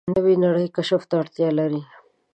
نوې نړۍ کشف ته اړتیا لري